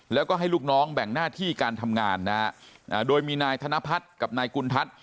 แล้วก็ให้ลูกน้องแบ่งหน้าที่การทำงานนะฮะโดยมีนายธนพัฒน์กับนายกุณฑัศน